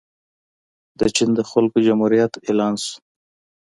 د چین د خلکو جمهوریت اعلان شو.